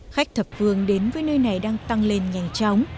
khách thập phương đến với nơi này đang tăng lên nhanh chóng